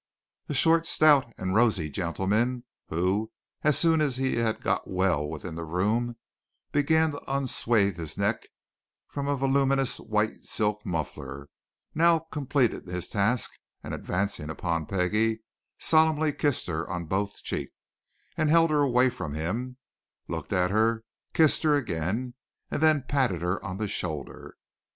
The short, stout, and rosy gentleman who, as soon as he had got well within the room, began to unswathe his neck from a voluminous white silk muffler, now completed his task and advancing upon Peggie solemnly kissed her on both cheeks, held her away from him, looked at her, kissed her again, and then patted her on the shoulder.